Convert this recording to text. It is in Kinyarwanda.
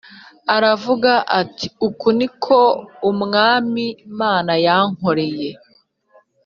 aravuga ati Uku ni ko Umwami Imana yankoreye